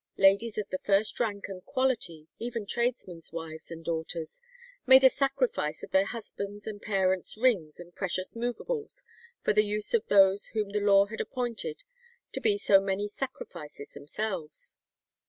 Ladies of the first rank and quality, even tradesmen's wives and daughters, "made a sacrifice of their husbands' and parents' rings and precious movables for the use of those whom the law had appointed to be so many sacrifices themselves."